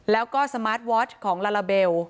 แล้วก็สมาร์ทวอชของลาลาเบล